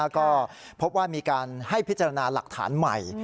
ก็พบว่ามีการให้พิจารณาหลักฐานใหม่